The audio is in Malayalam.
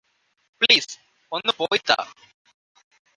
പ്ലീസ് ഒന്നു പോയിത്താ